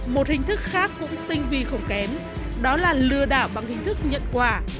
một hình thức khác cũng tinh vi không kém đó là lừa đảo bằng hình thức nhận quà